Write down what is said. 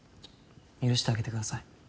許してあげてください。